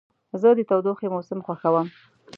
زه د تودوخې موسم خوښوم.